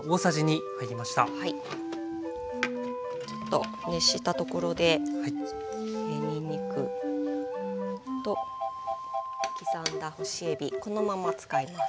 ちょっと熱したところでにんにくと刻んだ干しえびこのまま使います。